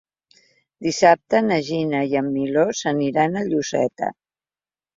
Dissabte na Gina i en Milos aniran a Lloseta.